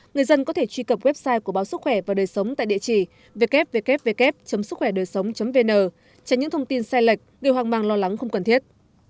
người dân có thể truy cập website của báo sức khỏe và đời sống tại địa chỉ www suckhoedờisống vn tránh những thông tin sai lệch điều hoàng mang lo lắng không cần thiết